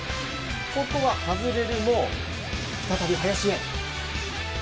ここは外れるも、再び林へ。